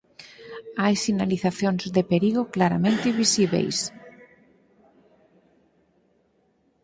Hai sinalizacións de perigo claramente visíbeis.